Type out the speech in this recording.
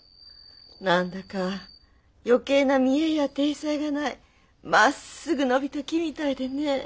何だか余計な見えや体裁がないまっすぐ伸びた木みたいでねえ。